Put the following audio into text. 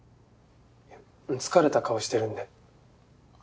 疲れた顔してるんで。